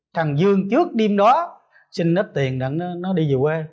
thằng dương trước đêm đó xin ít tiền để nó đi về quê